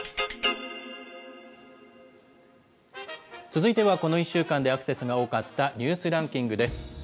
続いては、この１週間でアクセスが多かったニュースランキングです。